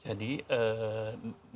jadi bagi komunitas indonesia